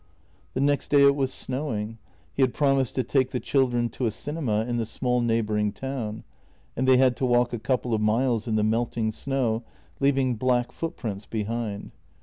The next day it was snowing; he had promised to take the children to a cinema in the small neighbouring town, and they had to walk a couple of miles in the melting snow, leaving black footprints behind.